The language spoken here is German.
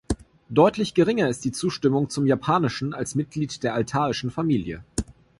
Deutlich geringer ist die Zustimmung zum Japanischen als Mitglied der altaischen Familie.